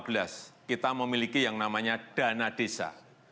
sejak dua ribu lima belas kita memiliki yang namanya dana desa